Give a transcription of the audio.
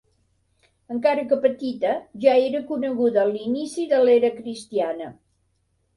Encara que petita ja era coneguda a l'inici de l'era cristiana.